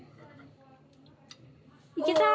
いけた！